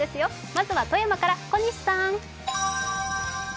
まずは、富山から小西さん。